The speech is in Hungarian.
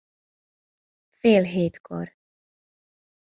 Fél hétkor.